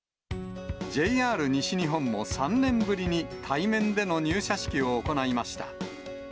ＪＲ西日本も３年ぶりに対面での入社式を行いました。